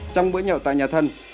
trong bữa nhậu tại nhà thân